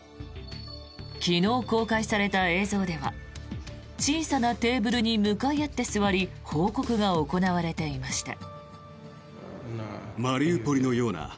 昨日公開された映像では小さなテーブルに向かい合って座り報告が行われていました。